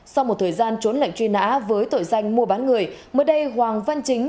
sau một thời gian trốn lệnh truy nã với tội danh mua bán người mới đây hoàng văn chính